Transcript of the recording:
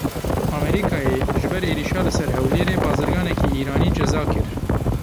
Amerîkayê ji ber êrişa li ser Hewlêrê bazirganekî Îranî ceza kir.